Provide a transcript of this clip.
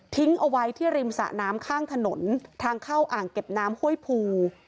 เอาไว้ที่ริมสะน้ำข้างถนนทางเข้าอ่างเก็บน้ำห้วยภู